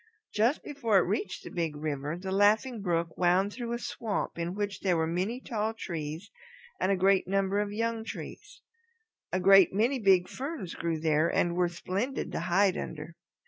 Just before it reached the Big River the Laughing Brook wound through a swamp in which were many tall trees and a great number of young trees. A great many big ferns grew there and were splendid to hide under.